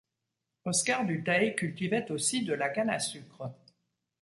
Oscar du Teil cultivait aussi de la canne à sucre.